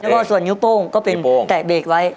แล้วก็ส่วนนิ้วโป้งก็เป็นแตะเบรกไว้